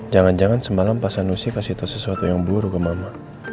jangan jangan semalam pasan nusih kasih tau sesuatu yang buruk ke mama